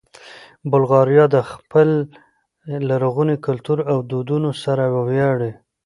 بلغاریان د خپل لرغوني کلتور او دودونو سره ویاړي.